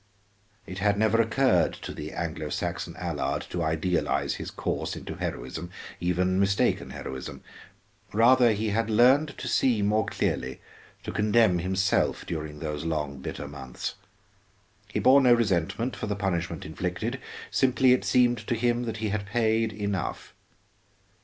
It had never occurred to the Anglo Saxon Allard to idealize his course into heroism; even mistaken heroism. Rather, he had learned to see more clearly, to condemn himself, during those long, bitter months. He bore no resentment for the punishment inflicted; simply it seemed to him that he had paid enough.